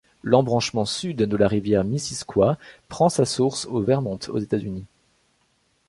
L'embranchement sud de la rivière Missisquoi prend sa source au Vermont aux États-Unis.